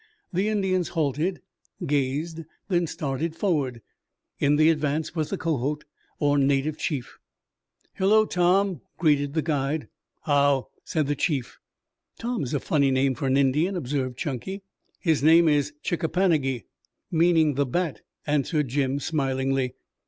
The Indians halted, gazed, then started forward. In the advance was the Kohot or native chief. "Hello, Tom," greeted the guide. "How!" said the chief. "Tom is a funny name for an Indian," observed Chunky. "His name is Chick a pan a gi, meaning 'the bat'," answered Jim smilingly.